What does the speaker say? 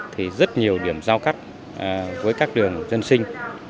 thì rất nhiều điểm giao cắt với các đường dân sinh